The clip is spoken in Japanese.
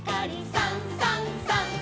「さんさんさん」